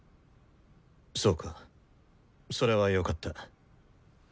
そうかそれはよかった。